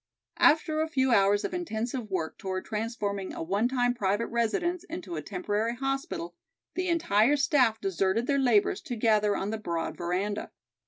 After a few hours of intensive work toward transforming a one time private residence into a temporary hospital, the entire staff deserted their labors to gather on the broad veranda.